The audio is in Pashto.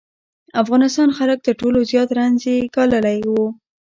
افغانستان خلک تر ټولو زیات رنځ یې ګاللی و.